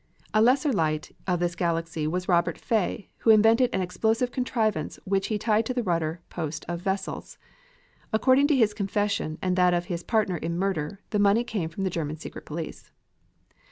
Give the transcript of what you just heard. A lesser light of this galaxy was Robert Fay, who invented an explosive contrivance which he tied to the rudder posts of vessels. According to his confession and that of his partner in murder, the money came from the German secret police.